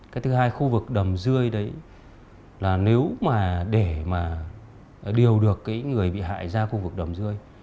cái thứ hai khu vực đầm dươi đấy là nếu mà để mà điều được người bị hại ra khu vực đầm dươi